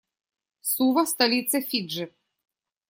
Сува - столица Фиджи.